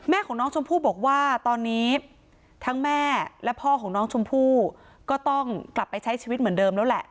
ของน้องชมพู่บอกว่าตอนนี้ทั้งแม่และพ่อของน้องชมพู่ก็ต้องกลับไปใช้ชีวิตเหมือนเดิมแล้วแหละ